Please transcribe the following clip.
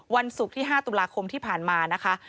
วันศุกร์ที่๕ตุลาคมที่ผ่านมานะคะ